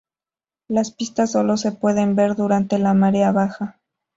Las pistas sólo se pueden ver durante la marea baja.